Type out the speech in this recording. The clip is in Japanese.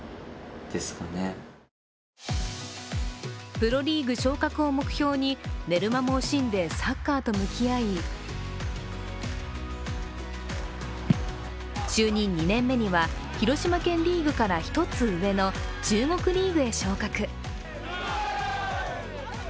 プロリーグ昇格を目標に寝る間も惜しんでサッカーと向き合い就任２年目には、広島県リーグから１つ上の中国リーグに昇格。